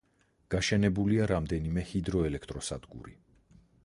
გაშენებულია რამდენიმე ჰიდროელექტროსადგური.